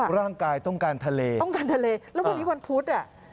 ร่างกายต้องการทะเลต้องการทะเลแล้ววันนี้วันพุธอ่ะ